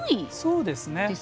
そうですね。